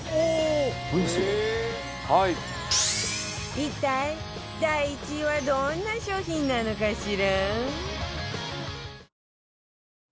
一体第１位はどんな商品なのかしら？